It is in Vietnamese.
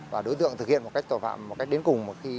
và đối tượng thực hiện một cách tội phạm một cách đến cùng